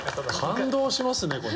感動しますね！